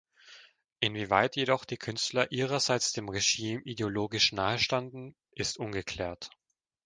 Inwieweit jedoch die Künstler ihrerseits dem Regime ideologisch nahestanden, ist ungeklärt.